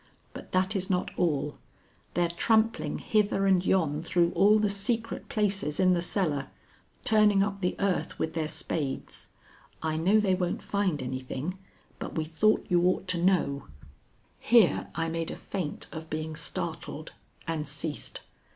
But that is not all. They're trampling hither and yon through all the secret places in the cellar, turning up the earth with their spades. I know they won't find anything, but we thought you ought to know " Here I made a feint of being startled, and ceased.